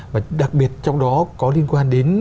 và đặc biệt trong đó có liên quan đến